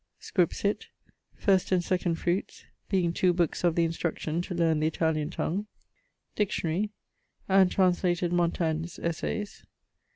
Scripsit: First and second fruits, being two books of the instruction to learne the Italian tongue: Dictionary; and translated Montagne's Essayes.